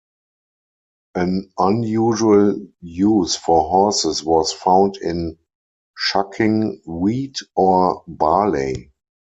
An unusual use for horses was found in shucking wheat or barley.